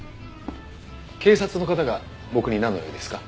警察の方が僕に何の用ですか？